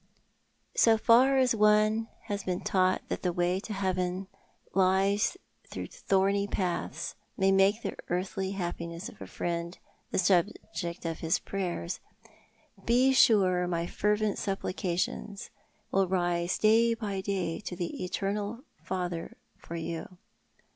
So far as one who has been taught that the way to Heaven lies through thorny paths may make the earthly happiness of a friend the subject of his prayers, be sure my fervent supplications will rise day by day to the eternal Father for you.